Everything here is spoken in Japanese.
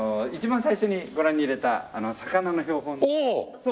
一番最初にご覧に入れた魚の標本の。